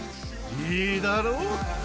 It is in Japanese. いいだろう？